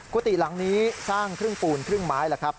กุฏิหลังนี้สร้างครึ่งปูนครึ่งไม้แล้วครับ